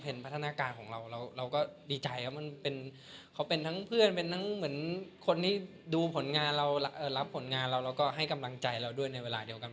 พัฒนาการของเราเราก็ดีใจครับมันเป็นเขาเป็นทั้งเพื่อนเป็นทั้งเหมือนคนที่ดูผลงานเรารับผลงานเราแล้วก็ให้กำลังใจเราด้วยในเวลาเดียวกัน